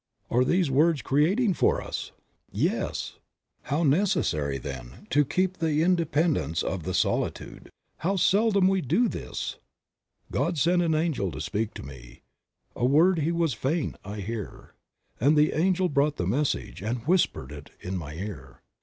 Are these words creating for us? Yes! How necessary, then, to "keep the independence of the solitude"; how seldom we do this! "God sent an angel to speak to me — A word He was fain I hear; And the angel brought the message And whispered it in my ear.